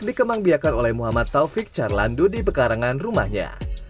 dikemangbiakan oleh muhammad taufik carlando di pekarangan rumahnya